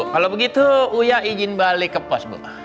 kalau begitu uya izin balik ke pos bu